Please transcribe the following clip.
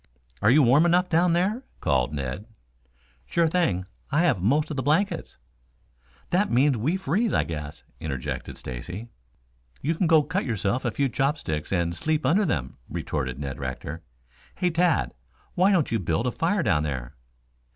"Are you warm enough down there?" called Ned. "Sure thing. I have most of the blankets." "That means we freeze, I guess," interjected Stacy. "You can go cut yourself a few chopsticks and sleep under them," retorted Ned Rector. "Hey, Tad, why don't you build a fire down there?"